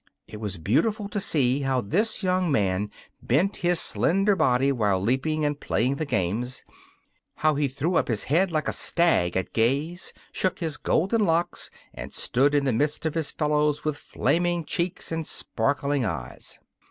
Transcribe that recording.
It was beautiful to see how this young man bent his slender body while leaping and playing the games how he threw up his head like a stag at gaze, shook his golden locks and stood in the midst of his fellows with flaming cheeks and sparkling eyes.